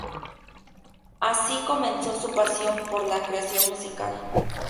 Así comenzó su pasión por la creación musical.